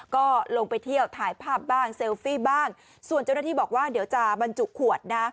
ก็ลงไปเที่ยวถ่ายภาพบ้างเซลฟี่บ้างส่วนเจ้าหน้าที่บอกว่าเดี๋ยวจะบรรจุขวดนะ